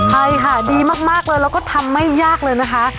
ใช่ค่ะดีมากเลยแล้วก็ทำไม่ยากเลยนะคะ